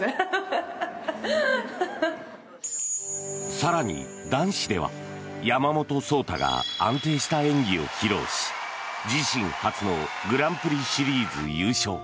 更に、男子では山本草太が安定した演技を披露し自身初のグランプリシリーズ優勝。